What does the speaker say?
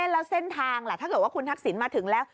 แล้วเส้นทางล่ะถ้าเกิดว่าคุณทักษิณมาถึงแล้ว